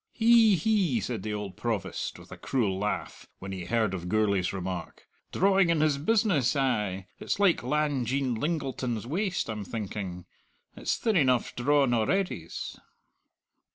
"Hi hi!" said the old Provost, with a cruel laugh, when he heard of Gourlay's remark "drawing in his business, ay! It's like Lang Jean Lingleton's waist, I'm thinking. It's thin eneugh drawn a'readys!"